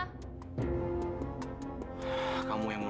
kamu yang mulai duluan kan jess